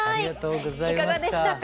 いかがでしたか？